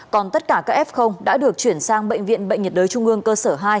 còn tất cả các f đã được chuyển sang bệnh viện bệnh nhiệt đới trung ương cơ sở hai